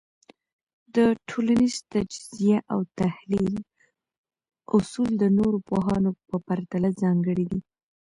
د ټولنيز تجزیه او تحلیل اصول د نورو پوهانو په پرتله ځانګړي دي.